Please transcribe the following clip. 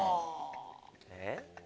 えっ？